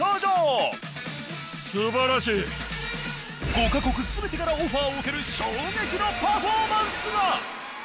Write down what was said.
５か国全てからオファーを受ける衝撃のパフォーマンスが！